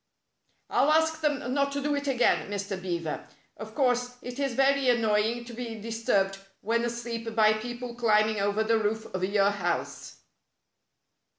" I'll ask them not to do it again, Mr. Beaver. Of course, it is very annoying to be disturbed when asleep by people climbing over the roof of your house."